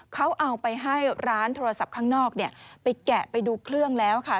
เขาเอาไปให้ร้านโทรศัพท์ข้างนอกไปแกะไปดูเครื่องแล้วค่ะ